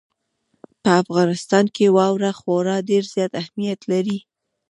په افغانستان کې واوره خورا ډېر زیات اهمیت لري.